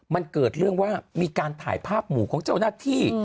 มันเกิดเรื่องว่ามีการถ่ายภาพหมู่ของเจ้าหน้าที่